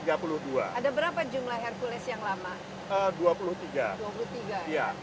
ada berapa jumlah hercules yang lama